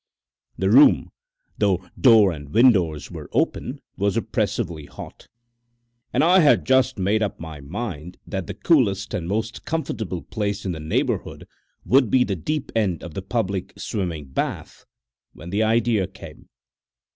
The room, though door and windows were open, was oppressively hot, and I had just made up my mind that the coolest and most comfortable place in the neighbourhood would be the deep end of the public swimming bath, when the idea came.